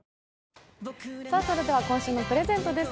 それでは今日のプレゼントです。